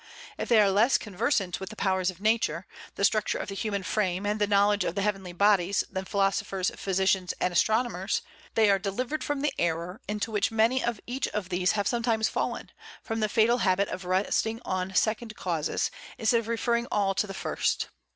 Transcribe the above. If they are less conversant with the powers of Nature, the structure of the human frame, and the knowledge of the heavenly bodies than philosophers, physicians, and astronomers, they are delivered from the error into which many of each of these have sometimes fallen, from the fatal habit of resting on second causes, instead of referring all to the first.